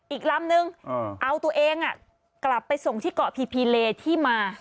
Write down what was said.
อีกลำนึงเอาตัวเองกลับไปส่งที่เกาะพีพีเลที่มา